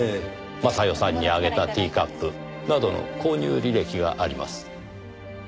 雅代さんにあげたティーカップなどの購入履歴があります。